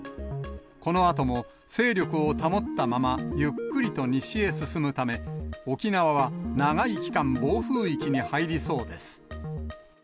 このあとも勢力を保ったまま、ゆっくりと西へ進むため、沖縄は長い期間、暴風域に入りそうです。